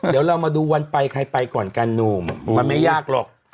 เดี๋ยวเรามาดูวันไปใครไปก่อนกันหนุ่มมันไม่ยากหรอก